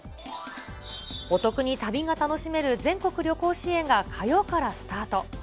お得に旅が楽しめる全国旅行支援が火曜からスタート。